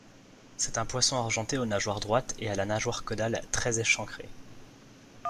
C'est un poisson argenté aux nageoires droites et à la nageoire caudale très échancrée.